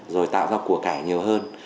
rồi tạo ra của cải nhiều hơn